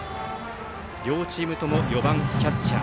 両チームとも４番キャッチャー。